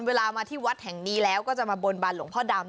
เวลามาที่วัดแห่งนี้แล้วก็จะมาบนบานหลวงพ่อดำ